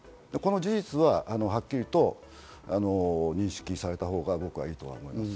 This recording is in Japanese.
この事実がはっきりと認識されたほうが僕はいいと思います。